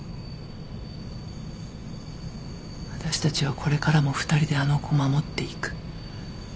私たちはこれからも２人であの子を守っていく。